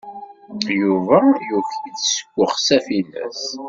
Yuba yuki-d seg uxsaf-nnes.